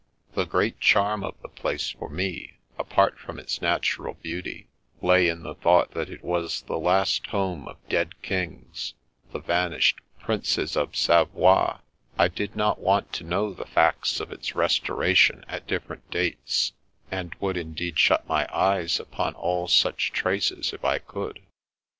The great charm of the place for me, apart from its natural beauty, lay in the thought that it was the last home of dead kings, the vanished Princes of Savoie ; I did not want to know the facts of its restoration at different dates, and There is No Such Girl 269 would indeed shut my eyes upon all such traces if I could.